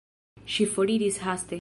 Ŝi foriris haste.